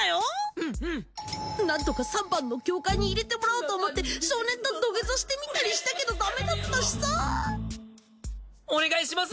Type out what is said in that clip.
うんうん何とか三番の境界に入れてもらおうと思って少年と土下座してみたりしたけどダメだったしさお願いします